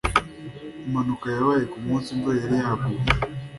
Impanuka yabaye kumunsi imvura yari yaguye.